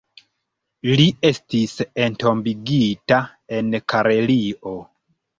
Li estis entombigita en Karelio.